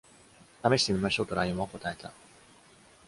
「試してみましょう」とライオンは答えました。